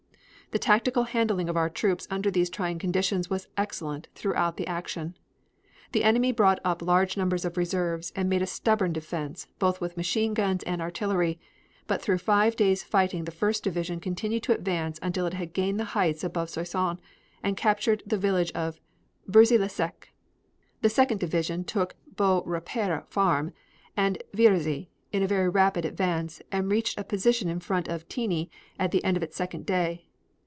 The tactical handling of our troops under these trying conditions was excellent throughout the action. The enemy brought up large numbers of reserves and made a stubborn defense both with machine guns and artillery, but through five days' fighting the First Division continued to advance until it had gained the heights above Soissons and captured the village of Berzy le sec. The Second Division took Beau Repaire farm and Vierzy in a very rapid advance and reached a position in front of Tigny at the end of its second day.